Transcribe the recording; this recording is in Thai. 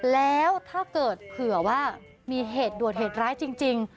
แล้วถ้าเกิดเผื่อว่ามีเหตุด่วนเหตุร้ายจริง